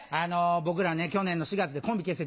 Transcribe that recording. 僕らね去年の４月でコンビ結成